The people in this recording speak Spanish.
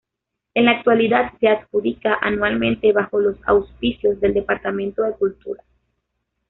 En la actualidad se adjudica anualmente bajo los auspicios del Departamento de Cultura.